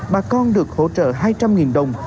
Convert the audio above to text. bà con được hỗ trợ hai trăm linh đồng